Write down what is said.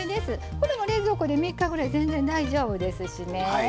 これも冷蔵庫で３日くらい全然、大丈夫ですしね。